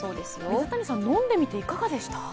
水谷さん、飲んでみてどうでした？